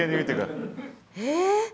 え。